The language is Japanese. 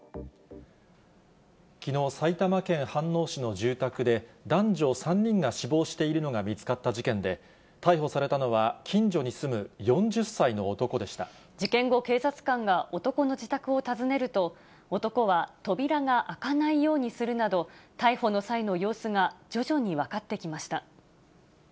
きのう、埼玉県飯能市の住宅で、男女３人が死亡しているのが見つかった事件で、逮捕されたのは、事件後、警察官が男の自宅を訪ねると、男は扉が開かないようにするなど、逮捕の際の様子が徐々に分かってきました。